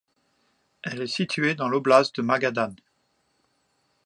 Elle est située dans l'oblast de Magadan.